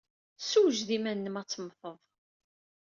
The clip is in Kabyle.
Ssewjed iman-nnem ad temmted!